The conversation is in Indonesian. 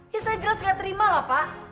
ya saya jelas gak terima lah pak